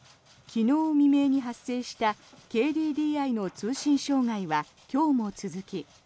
昨日未明に発生したＫＤＤＩの通信障害は今日も続き